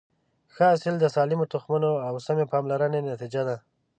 ښه حاصل د سالمو تخمونو او سمې پاملرنې نتیجه ده.